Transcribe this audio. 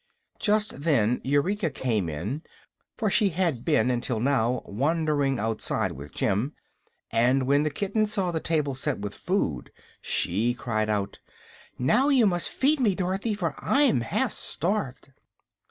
Just then Eureka came in, for she had been until now wandering outside with Jim; and when the kitten saw the table set with food she cried out: "Now you must feed me, Dorothy, for I'm half starved."